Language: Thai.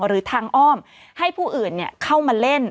หรือทางอ้อมให้ผู้อื่นเข้ามาเล่น